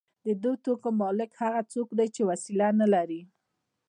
د دې توکو مالک هغه څوک دی چې وسیله نلري